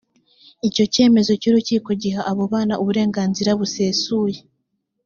icyo cyemezo cy ‘urukiko giha abo bana uburenganzira busesuye